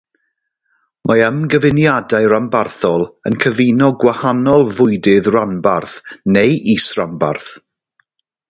Mae ymgyfuniadau rhanbarthol yn cyfuno gwahanol fwydydd rhanbarth neu isranbarth.